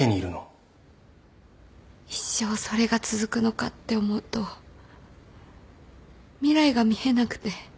一生それが続くのかって思うと未来が見えなくて。